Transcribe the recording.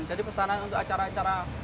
jadi pesanan untuk acara acara